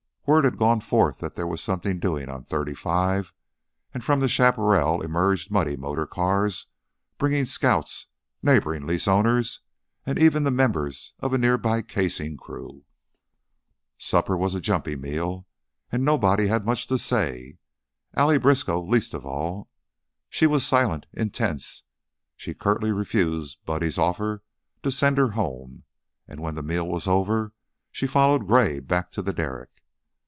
Word had gone forth that there was something doing on thirty five, and from the chaparral emerged muddy motor cars bringing scouts, neighboring lease owners, and even the members of a near by casing crew. Supper was a jumpy meal, and nobody had much to say, Allie Briskow least of all. She was silent, intense; she curtly refused Buddy's offer to send her home, and when the meal was over she followed Gray back to the derrick.